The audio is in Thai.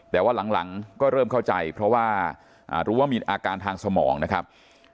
แต่ว่าหลังก็เริ่มเข้าใจเพราะว่ารู้ว่ามีอาการทางสมองนะครับ